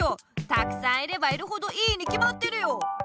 たくさんいればいるほどいいにきまってるよ！